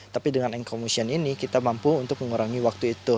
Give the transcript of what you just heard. tapi dengan encommustion ini kita mampu untuk mengurangi waktu itu